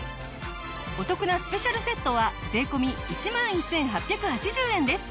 お得なスペシャルセットは税込１万１８８０円です。